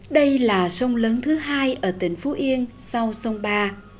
đây là sông lớn thứ hai ở tỉnh phú yên sau sông ba